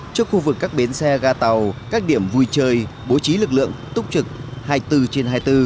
trước khu vực các bến xe ga tàu các điểm vui chơi bố trí lực lượng túc trực hai mươi bốn trên hai mươi bốn